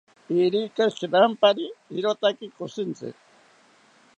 Irika shirampari rirotaki koshintzi